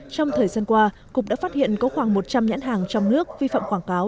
trong thời gian qua cục đã phát hiện có khoảng một trăm linh nhãn hàng trong nước vi phạm quảng cáo